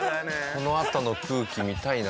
このあとの空気見たいな。